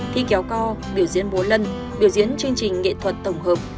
thi kéo co biểu diễn múa lân biểu diễn chương trình nghệ thuật tổng hợp